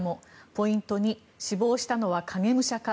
ポイント２死亡したのは影武者か。